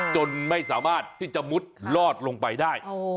จนไม่สามารถที่จะมุดลอดลงไปได้